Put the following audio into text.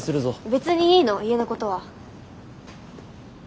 別にいいの家のことは。